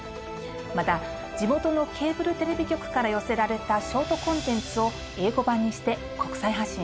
また地元のケーブルテレビ局から寄せられたショートコンテンツを英語版にして国際発信します。